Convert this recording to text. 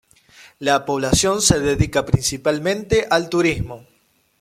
La población se dedica principalmente al turismo.